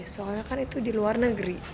soalnya kan itu di luar negeri